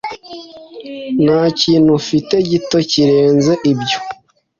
Nta kintu ufite gito kirenze ibyo?